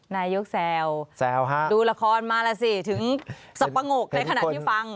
นายกแซวฮะดูละครมาแล้วสิถึงสับปะงกในขณะที่ฟัง